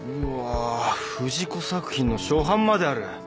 うわ藤子作品の初版まである。